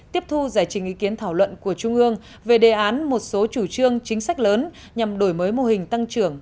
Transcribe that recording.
tiếp thu giải trình ý kiến thảo luận của trung ương về đề án một số chủ trương chính sách lớn nhằm đổi mới mô hình tăng trưởng